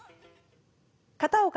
片岡